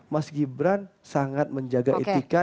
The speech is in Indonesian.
mas gibran sangat menjaga etika